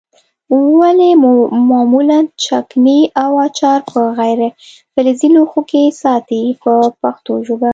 ولې معمولا چکني او اچار په غیر فلزي لوښو کې ساتي په پښتو ژبه.